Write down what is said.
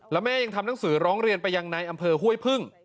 แล้วแม่ยังทำหนังสือร้องเรียนไปยังในอำเภอห้วยพึ่ง